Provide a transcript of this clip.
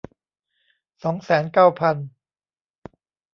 สองแสนเก้าพัน